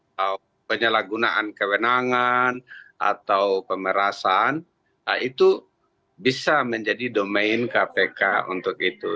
atau penyalahgunaan kewenangan atau pemerasan itu bisa menjadi domain kpk untuk itu